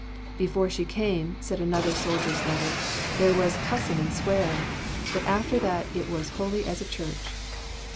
"Before she came," said another soldier's letter, "there was cussin' and swearin', but after that it was holy as a church."